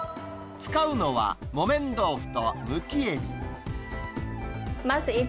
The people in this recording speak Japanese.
使うのは、木綿豆腐とむきエビ。